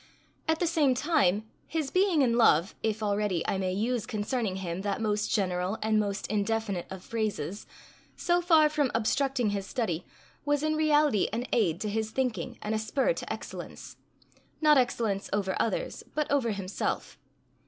At the same time, his being in love, if already I may use concerning him that most general and most indefinite of phrases, so far from obstructing his study, was in reality an aid to his thinking and a spur to excellence not excellence over others, but over himself.